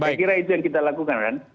saya kira itu yang kita lakukan kan